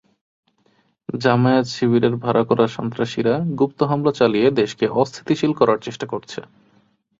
জামায়াত-শিবিরের ভাড়া করা সন্ত্রাসীরা গুপ্ত হামলা চালিয়ে দেশকে অস্থিতিশীল করার চেষ্টা করছে।